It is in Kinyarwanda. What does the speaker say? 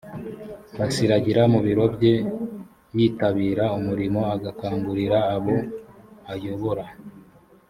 basiragira ku biro bye yitabira umurimo agakangurira abo ayobora